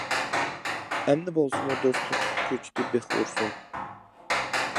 ئەمدى بولسىمۇ دوستلۇق كۆچىتى بىخ ئۇرسۇن.